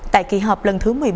tại kỳ họp lần thứ một mươi bốn